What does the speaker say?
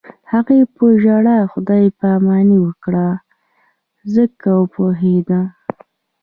هغې په ژړا خدای پاماني وکړه ځکه پوهېده